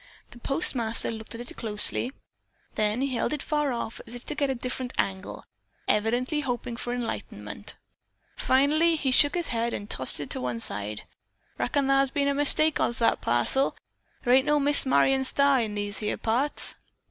The postmaster looked at it closely. Then he held it far off to get a different angle, evidently hoping for enlightenment. Finally he shook his head and tossed it to one side. "Reckon thar's been a mistake as to that parcel," he said. "Thar ain't no Miss Marion Starr in these here parts."